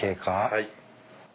はい。